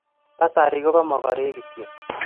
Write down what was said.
basari kibo mogorik kityo